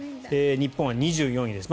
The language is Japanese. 日本は２４位です。